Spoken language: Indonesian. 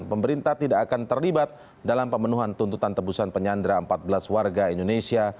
pemerintah tidak akan terlibat dalam pemenuhan tuntutan tebusan penyandra empat belas warga indonesia